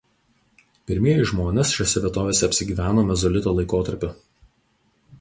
Pirmieji žmonės šiose vietovėse apsigyveno mezolito laikotarpiu.